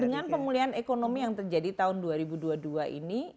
dengan pemulihan ekonomi yang terjadi tahun dua ribu dua puluh dua ini